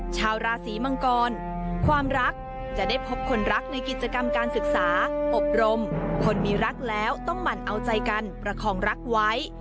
ชาวราศีมังกรความรักจะได้พบคนรักในกิจกรรมการศึกษาอบรมคนมีรักแล้วต้องหมั่นเอาใจกันประคองรักไว้